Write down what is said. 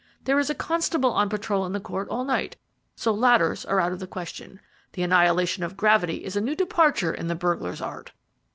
There is a constable on patrol in the court all night, so ladders are out of the question. The annihilation of gravity is a new departure in the burglar's art."